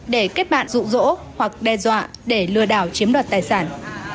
để kết bạn rủ rỗ hoặc đe dọa để lừa đảo chiếm đoạt tài sản